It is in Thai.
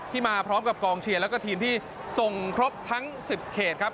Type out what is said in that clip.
ที่มาพร้อมกับกองเชียรและทีมที่ทรงครบทั้ง๑๐เขตครับ